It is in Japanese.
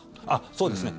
そうですね。